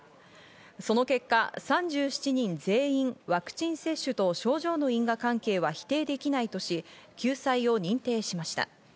その結果、３７人全員、ワクチン接種と症状の因果関係は否定できないとし救済を認定しました。